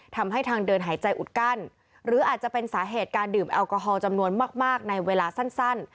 ทางเดินหายใจอุดกั้นหรืออาจจะเป็นสาเหตุการดื่มแอลกอฮอลจำนวนมากในเวลาสั้น